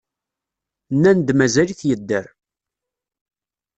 Nnan-d mazal-it yedder.